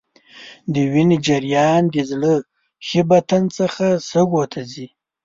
د وینې جریان د زړه ښي بطن څخه سږو ته ځي.